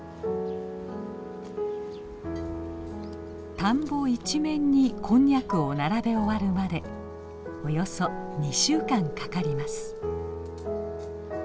田んぼ一面にこんにゃくを並べ終わるまでおよそ２週間かかります。